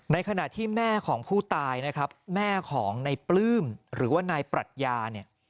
ในขณะที่แม่ของผู้ตายแม่ของในปลื้มหรือว่านายปรัชญา